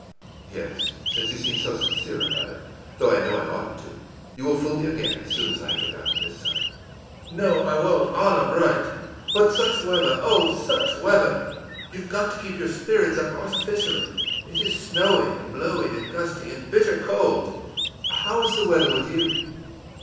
î ìYes, since you seem so sincere about it, though I know I oughtn't to. You will fool me again as soon as I have forgotten this time.î ìNo, I won't, honor bright. But such weather, oh, such weather! You've got to keep your spirits up artificially. It is snowy, and blowy, and gusty, and bitter cold! How is the weather with you?